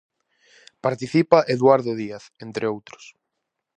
Participa Eduardo Díaz, entre outros.